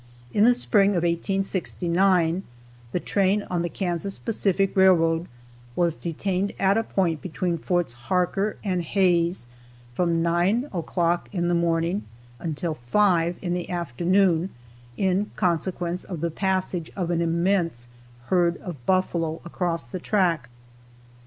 In the spring of 1869 the train on the Kansas Pacific railroad was detained at a point between Forts Harker and Hays from nine o'clock in the morning until five in the afternoon in consequence of the passage of an immense herd of buffalo across the track."